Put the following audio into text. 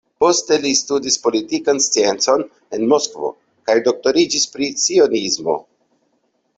Poste li studis politikan sciencon en Moskvo kaj doktoriĝis pri cionismo.